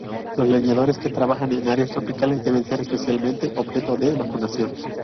Los leñadores que trabajan en áreas tropicales deben ser especialmente objeto de vacunación.